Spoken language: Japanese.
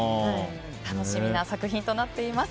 楽しみな作品となっています。